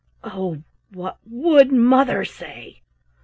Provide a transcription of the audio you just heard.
Oh, what would mother say!"